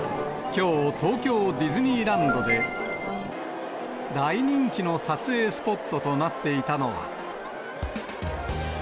きょう、東京ディズニーランドで大人気の撮影スポットとなっていたのは。